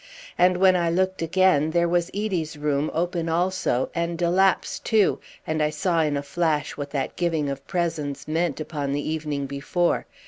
And when I looked again there was Edie's room open also, and de Lapp's too; and I saw in a flash what that giving of presents meant upon the evening before.